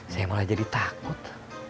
saya malah jadi takut